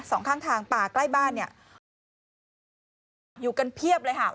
สองข้างทางป่าใกล้บ้านเนี่ยโอ้โหอยู่กันเพียบเลยค่ะ